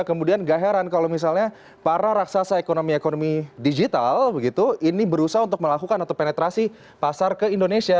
kemudian gak heran kalau misalnya para raksasa ekonomi ekonomi digital ini berusaha untuk melakukan atau penetrasi pasar ke indonesia